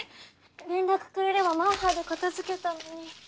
連絡くれればマッハで片づけたのに。